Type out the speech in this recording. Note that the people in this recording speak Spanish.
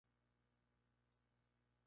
Es originario de África y del Oriente Medio.